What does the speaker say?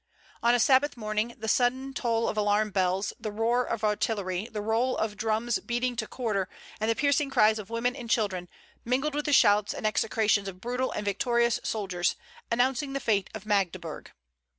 On a Sabbath morning, the sudden toll of alarm bells, the roar of artillery, the roll of drums beating to quarter, and the piercing cries of women and children, mingled with the shouts and execrations of brutal and victorious soldiers, announced the fate of Magdeburg.